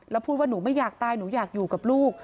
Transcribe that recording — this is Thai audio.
แล้วพูดว่าหนูไม่อยากตายหนูอยากอยู่กับลูก